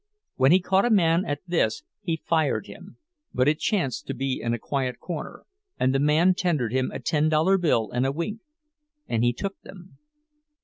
When he caught a man at this he "fired" him, but it chanced to be in a quiet corner, and the man tendered him a ten dollar bill and a wink, and he took them.